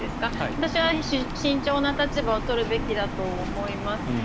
私は慎重な立場を取るべきだと思います。